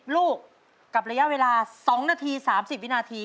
ลูกกับระยะเวลา๒นาที๓๐วินาที